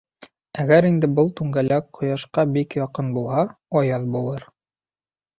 Әгәр инде был түңгәләк ҡояшҡа бик яҡын булһа, аяҙ булыр.